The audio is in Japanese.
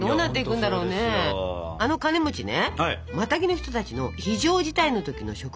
あのカネねマタギの人たちの非常事態の時の食料なんですよ。